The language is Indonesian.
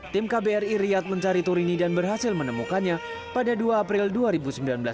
tim kbri riyad mencari turini dan berhasil menemukannya pada dua april dua ribu sembilan belas lalu dengan bantuan kantor polisi dawatmi